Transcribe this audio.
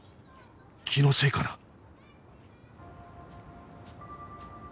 気のせいかな？